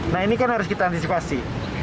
nah ini kan harus kita antisipasi